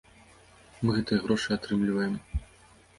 Мы гэтыя грошы атрымліваем.